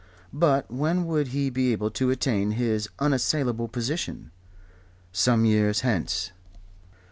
But when would he be able to attain his unassailable position? Some years hence.